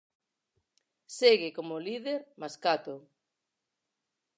Segue como líder Mascato.